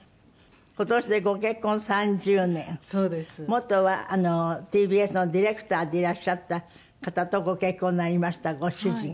元はＴＢＳのディレクターでいらっしゃった方とご結婚になりましたご主人。